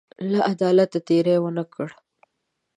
له عدالته تېری ونه کړ.